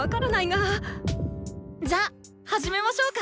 じゃあ始めましょうか。